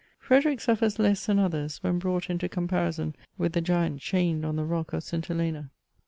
Frederick suifers less than others, when brought into com parison with the Giant chained on the rock of St. Helena.